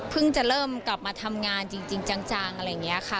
จะเริ่มกลับมาทำงานจริงจังอะไรอย่างนี้ค่ะ